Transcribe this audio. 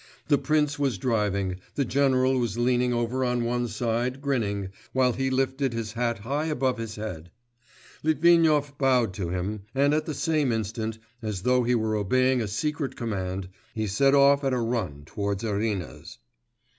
The prince was driving, the general was leaning over on one side, grinning, while he lifted his hat high above his head. Litvinov bowed to him, and at the same instant, as though he were obeying a secret command, he set off at a run towards Irina's.